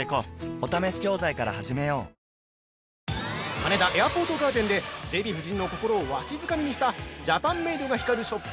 ◆羽田エアポートガーデンでデヴィ夫人の心をわしづかみにしたジャパンメイドが光るショップ